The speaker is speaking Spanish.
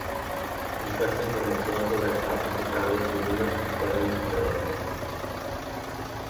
Encuentre información sobre estafas y fraudes comunes que pueden sucederle.